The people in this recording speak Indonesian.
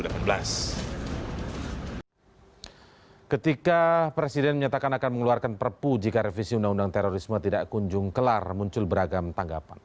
ketika presiden menyatakan akan mengeluarkan perpu jika revisi undang undang terorisme tidak kunjung kelar muncul beragam tanggapan